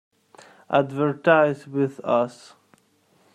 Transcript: Advertise with us!